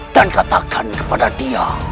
dan katakan kepada dia